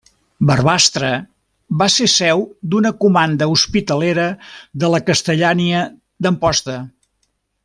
Barbastre va ser seu d'una comanda hospitalera de la Castellania d'Amposta.